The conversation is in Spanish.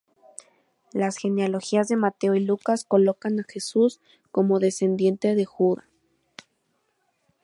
Las genealogías de Mateo y Lucas colocan a Jesús como descendiente de Judá.